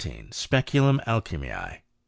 Speculum Alchymioe.